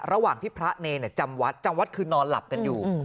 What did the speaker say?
ระหว่างที่พระเนรจำวัดจำวัดคือนอนหลับกันอยู่